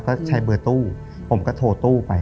ก็ใช้เบอร์ตู้ผมก็โทรตู้ไป